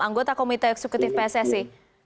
anggota komite eksekutif pssi